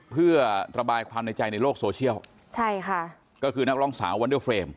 เพื่อระบายความในใจในโลกโซเชียลใช่ค่ะก็คือนักร้องสาววันเดอร์เฟรม